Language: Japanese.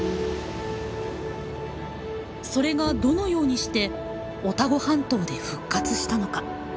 それがどのようにしてオタゴ半島で復活したのか。